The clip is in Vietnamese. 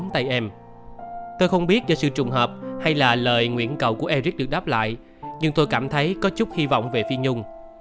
tôi không biết do sự trùng hợp hay là lời nguyện cầu của eric được đáp lại nhưng tôi cảm thấy có chút hy vọng về phi nhung